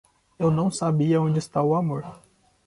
Eu não sabia onde está o amor.